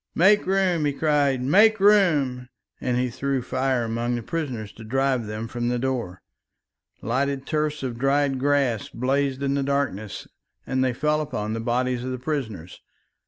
"Make room," he cried, "make room," and he threw fire among the prisoners to drive them from the door. Lighted tufts of dried grass blazed in the darkness and fell upon the bodies of the prisoners.